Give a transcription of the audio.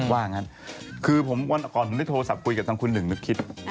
ว่างั้นคือวันก่อนผมได้โทรศัพท์คุยกับทางคุณหนึ่งนึกคิด